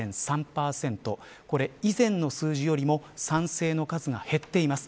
これ、以前の数字よりも賛成の数が減っています。